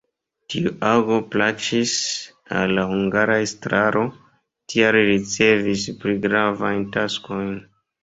Tiu ago plaĉis al la hungara estraro, tial li ricevis pli gravajn taskojn.